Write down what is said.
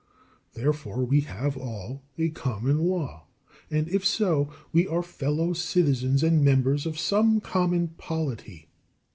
Therefore we have all a common law; and if so, we are fellow citizens and members of some common polity.